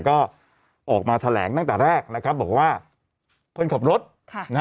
ก็ออกมาแถลงตั้งแต่แรกนะครับบอกว่าคนขับรถค่ะนะฮะ